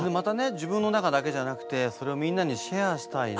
自分の中だけじゃなくてそれをみんなにシェアしたいなって。